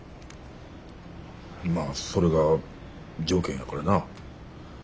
まあそれが条件やからな。